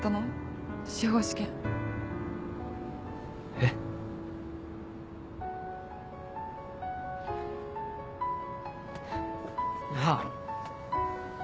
えっ？ああ。